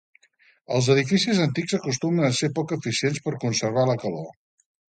Els edificis antics acostumen a ser poc eficients per conservar la calor.